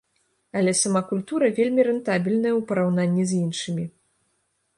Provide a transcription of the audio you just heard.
Але сама культура вельмі рэнтабельная ў параўнанні з іншымі.